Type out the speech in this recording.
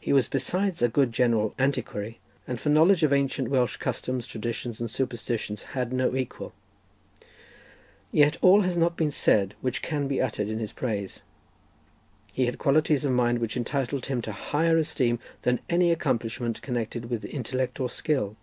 He was besides a good general antiquary, and for knowledge of ancient Welsh customs, traditions and superstitions had no equal. Yet all has not been said which can be uttered in his praise: he had qualities of mind which entitled him to higher esteem than any accomplishment connected with intellect or skill.